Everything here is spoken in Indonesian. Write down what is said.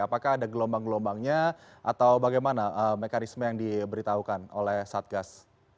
apakah ada gelombang gelombangnya atau bagaimana mekanisme yang diberitahukan oleh satgas